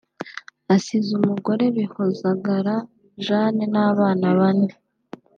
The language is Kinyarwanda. asize umugore Bihozagara Jeanne n’abana bane